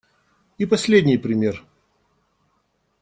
И последний пример.